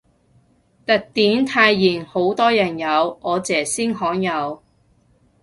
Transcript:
特典泰妍好多人有，我姐先罕有